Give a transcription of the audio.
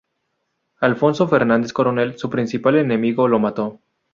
Alfonso Fernández Coronel, su principal enemigo, lo mató.